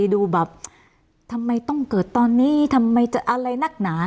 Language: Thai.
ดูแบบทำไมต้องเกิดตอนนี้ทำไมจะอะไรนักหนา